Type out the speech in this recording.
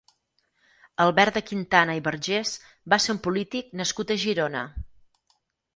Albert de Quintana i Vergés va ser un polític nascut a Girona.